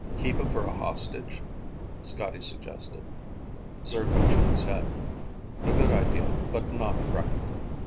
"Keep him for a hostage," Scotty suggested. Zircon shook his head. "A good idea, but not practical.